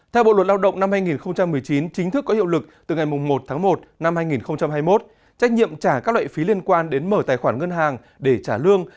theo bộ luật lao động năm hai nghìn một mươi chín chính thức có hiệu lực từ ngày một tháng một năm hai nghìn hai mươi một trách nhiệm trả các loại phí liên quan đến mở tài khoản ngân hàng để trả lương